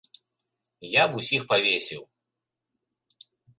Я б усіх павесіў.